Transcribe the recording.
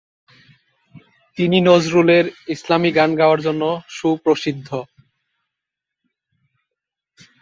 তিনি নজরুলের ইসলামী গান গাওয়ার জন্য সুপ্রসিদ্ধ।